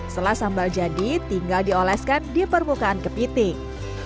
setelah sambal jadi tinggal dioleskan di permukaan kepiting